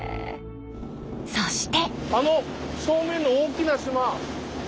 そして。